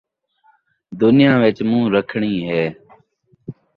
دنیا وچ مون٘ہہ رکھݨی ہے